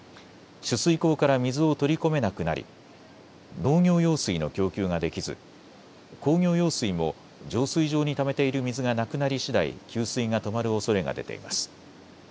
取水口から水を取り込めなくなり農業用水の供給ができず工業用水も浄水場にためている水がなくなりしだい給水が止まるおそれが出ています。